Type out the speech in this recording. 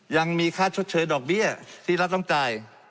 ยังมีค่าชดเชยดอกเบี้ยที่รัฐต้องจ่าย